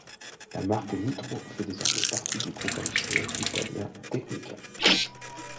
La marque Nitro fait désormais partie du groupe industriel italien Tecnica.